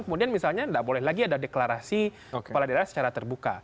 kemudian misalnya tidak boleh lagi ada deklarasi kepala daerah secara terbuka